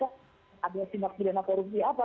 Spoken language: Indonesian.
ada simak simak korupsi apa